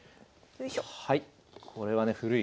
はい。